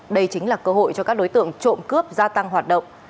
đây chính là cơ hội cho các đối tượng trộm cướp gia tăng hoạt động